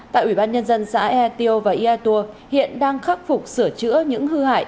tại ủy ban nhân dân xã e tiêu và e a tua hiện đang khắc phục sửa chữa những hư hại